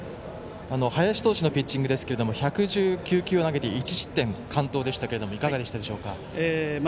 林投手のピッチング１１９球を投げて１失点完投でしたけれどもいかがでしょうか？